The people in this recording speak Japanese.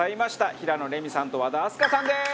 平野レミさんと和田明日香さんです！